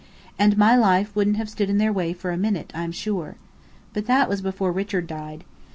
And my life wouldn't have stood in their way for a minute, I'm sure. But that was before Richard died.